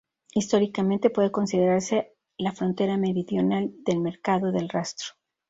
Históricamente puede considerarse la frontera meridional del mercado del Rastro.